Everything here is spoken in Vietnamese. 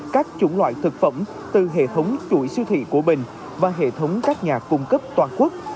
các chủng loại thực phẩm từ hệ thống chuỗi siêu thị của bình và hệ thống các nhà cung cấp toàn quốc